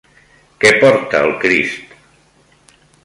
Què porta el Crist?